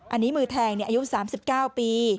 อันนี้มือแทงอายุ๓๙ปี